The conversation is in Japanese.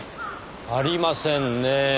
ありませんねぇ。